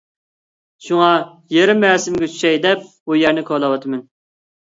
شۇڭا يېرىم رەسىمگە چۈشەي دەپ بۇ يەرنى كولاۋاتىمەن.